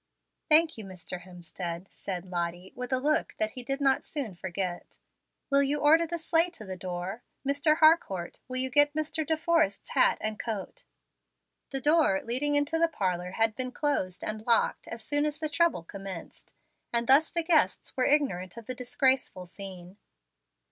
"Thank you, Mr. Hemstead," said Lottie, with a look he did not soon forget. "Will you order the sleigh to the door? Mr. Harcourt, will you get Mr. De Forrest's hat and coat?" The door leading into the parlor had been closed and locked as soon as the trouble commenced, and thus the guests were ignorant of the disgraceful scene.